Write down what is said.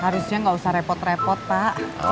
harusnya nggak usah repot repot pak